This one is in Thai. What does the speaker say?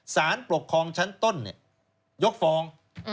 สารประคองชั้นต้นนี้ยกฟอง